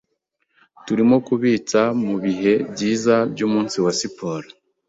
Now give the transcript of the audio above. Turimo kubitsa mubihe byiza byumunsi wa siporo.